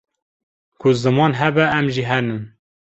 ku ziman hebe em jî henin